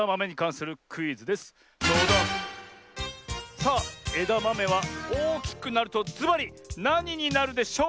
さあえだまめはおおきくなるとずばりなにになるでしょう？